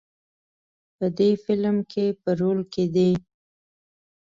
په دې فیلم کې په رول کې دی.